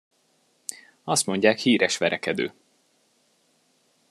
Azt mondják, híres verekedő.